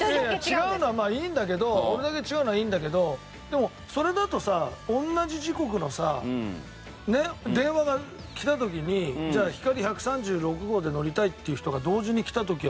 違うのはいいんだけど俺だけ違うのはいいんだけどでもそれだとさ同じ時刻のさ電話が来た時にじゃあひかり１３６号で乗りたいっていう人が。